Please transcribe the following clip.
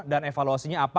dan evaluasinya apa